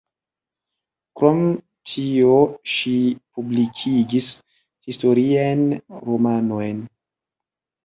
Krom tio ŝi publikigis historiajn romanojn.